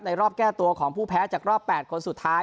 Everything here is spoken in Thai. รอบแก้ตัวของผู้แพ้จากรอบ๘คนสุดท้าย